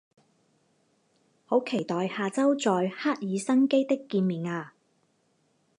好期待下周在赫尔辛基的见面啊